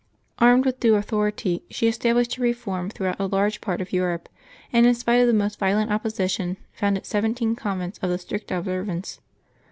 Armed with due authority, she established her reform throughout a large part of Europe, and, in spite of the most violent opposition, founded seventeen convents of the strict observance.